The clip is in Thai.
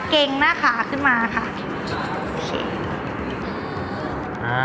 เกงหน้าขาขึ้นมาค่ะ